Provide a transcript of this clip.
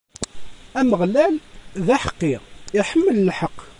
Ameɣlal, d aḥeqqi, iḥemmel lḥeqq.